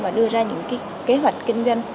và đưa ra những kế hoạch kinh doanh